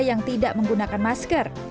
yang tidak menggunakan masker